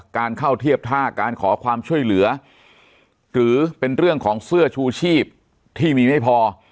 การเข้าเทียบท่าการขอความช่วยเหลือหรือเป็นเรื่องของเสื้อชูชีพที่มีไม่พอ